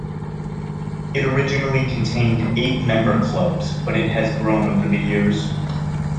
It originally contained eight member clubs, but it has grown over the years.